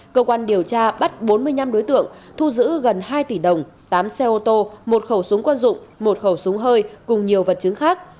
cơ quan điều tra bắt bốn mươi năm đối tượng thu giữ gần hai tỷ đồng tám xe ô tô một khẩu súng quân dụng một khẩu súng hơi cùng nhiều vật chứng khác